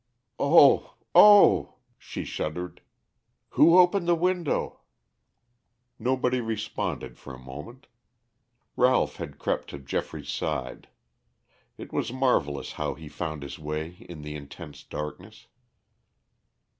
"Oh, oh," she shuddered. "Who opened the window?" Nobody responded for a moment. Ralph had crept to Geoffrey's side. It was marvelous how he found his way in the intense darkness.